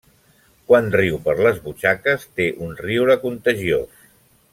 Quan riu per les butxaques té un riure contagiós.